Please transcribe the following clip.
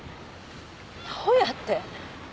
どうやって？